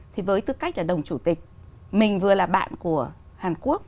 thì với tư cách là đồng chủ tịch mình vừa là bạn của hàn quốc